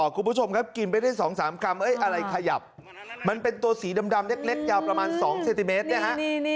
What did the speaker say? คุณผู้ชมครับกินไปได้๒๓กรัมอะไรขยับมันเป็นตัวสีดำเล็กยาวประมาณ๒เซนติเมตรเนี่ยฮะ